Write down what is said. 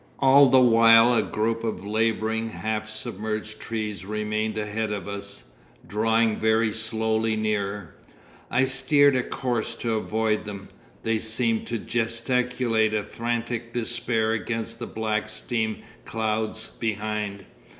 'All the while a group of labouring, half submerged trees remained ahead of us, drawing very slowly nearer. I steered a course to avoid them. They seemed to gesticulate a frantic despair against the black steam clouds behind.